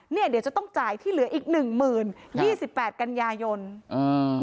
เดี๋ยวจะต้องจ่ายที่เหลืออีกหนึ่งหมื่นยี่สิบแปดกันยายนอ่า